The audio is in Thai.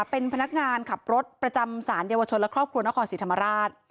เป็นพนักงานขับรถประจำสารเยาวชนและครอบครัวนครศรีธรรมราช